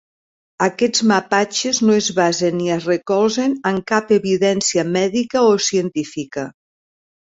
Aquests mapatges no es basen ni es recolzen en cap evidència mèdica o científica.